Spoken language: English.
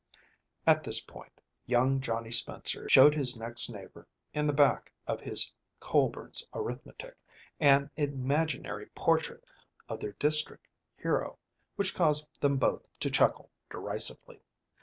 At this point, young Johnny Spencer showed his next neighbor, in the back of his Colburn's Arithmetic, an imaginary portrait of their district hero, which caused them both to chuckle derisively.